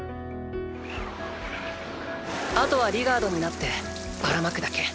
あとはリガードになってバラ撒くだけ。